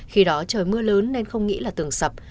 khi đó trời mưa lớn nên không nghĩ là tường sập